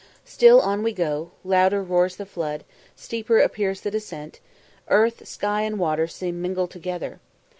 Still on we go louder roars the flood steeper appears the descent earth, sky, and water seem mingled together.